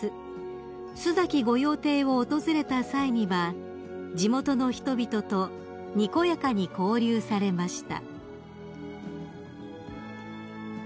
須崎御用邸を訪れた際には地元の人々とにこやかに交流されました］